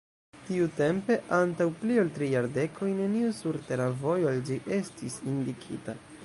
Tiutempe, antaŭ pli ol tri jardekoj, neniu surtera vojo al ĝi estis indikita.